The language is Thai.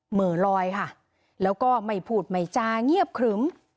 หมอลอยค่ะแล้วก็ไม่พูดไม่จาเงียบขรึม